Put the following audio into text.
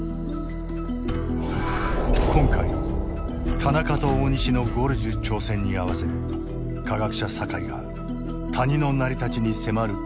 今回田中と大西のゴルジュ挑戦に合わせ科学者酒井が谷の成り立ちに迫ることとなった。